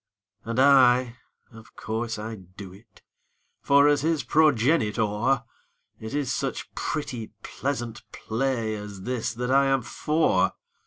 And I of course I do it; for, as his progenitor, It is such pretty, pleasant play as this that I am for!